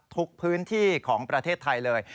ทุกพื้นที่ของประเทศไทยเลย